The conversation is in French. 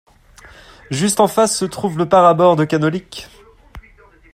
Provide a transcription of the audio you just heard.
Juste en face se trouve le parador de Canòlic.